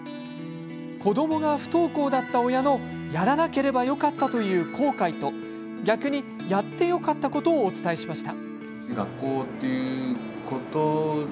子どもが不登校だった親のやらなければよかったという後悔と逆に、やってよかったことをお伝えしました。